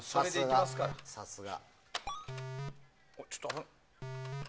さすが。